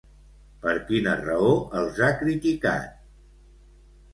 Per quina raó els ha criticat?